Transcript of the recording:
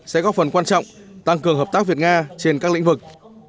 sẽ góp phần quan trọng tăng cường hợp tác việt nga trên các lĩnh vực